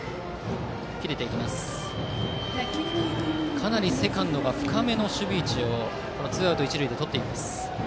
かなりセカンドが深めの守備位置をツーアウト一塁でとっています。